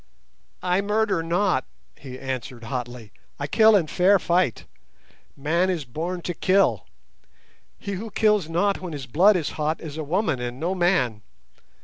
"I murder not," he answered hotly; "I kill in fair fight. Man is born to kill. He who kills not when his blood is hot is a woman, and no man.